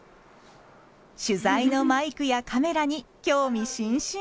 取材のマイクやカメラに興味津々。